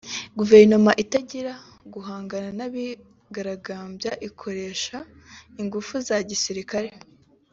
guverinoma itangira guhangana n’abigaragambyaga ikoresheje ingufu za gisirikare